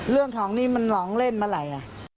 เรื่องของนี่มันหลองเล่นเมื่อไหร่